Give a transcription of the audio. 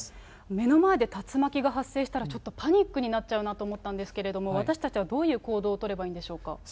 目の前で竜巻が発生したら、ちょっとパニックになっちゃうなと思ったんですけれども、私たちはどういう行動を取ればいいんでしょうか。